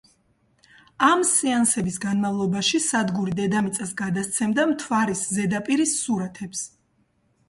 ამ სეანსების განმავლობაში სადგური დედამიწას გადასცემდა მთვარის ზედაპირის სურათებს.